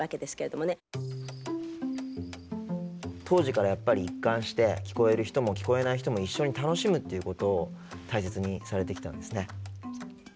当時からやっぱり一貫して聞こえる人も聞こえない人も一緒に楽しむっていうことを大切にされてきたんですね。